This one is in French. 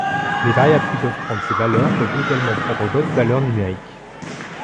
Les variables qui peuvent prendre ces valeurs peuvent également prendre d'autres valeurs numériques.